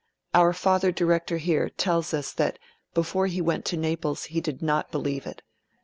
Our father director here tells us that before he went to Naples he did not believe it.